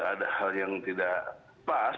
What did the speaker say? ada hal yang tidak pas